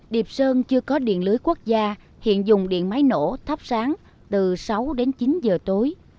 điệp sơn chưa có điện lưới quốc gia hiện dùng điện máy nổ thắp sáng từ sáu đến chín giờ tối